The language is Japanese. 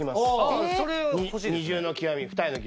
二重の極み二重の極み。